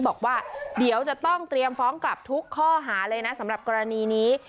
บอกว่าเดี๋ยวจะต้องเตรียมฟ้องกลับทุกข้อหาเลยนะสำหรับกรณีนี้